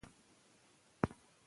لارښوونې به عملي وي.